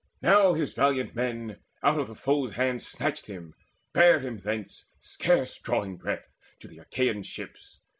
Now his valiant men Out of the foes' hands snatched him, bare him thence, Scarce drawing breath, to the Achaean ships.